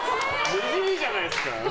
ねじりじゃないですか！